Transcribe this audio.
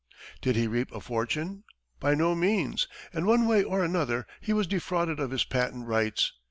Did he reap a fortune? By no means! In one way or another, he was defrauded of his patent rights.